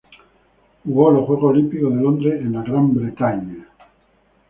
Jugó los Juegos Olímpicos de Londres con Gran Bretaña.